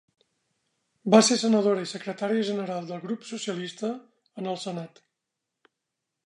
Va ser senadora i secretària general del Grup Socialista en el Senat.